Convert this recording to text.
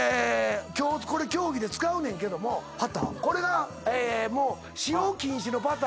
今日競技で使うねんけどもこれがもう。